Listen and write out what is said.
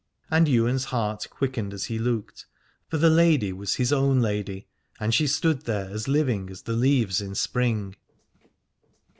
And Ywain's heart quickened as he looked : for the lady was his 260 Alad ore own lady, and she stood there as living as the leaves in spring.